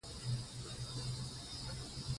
کلي د ځوانانو لپاره ډېره دلچسپي لري.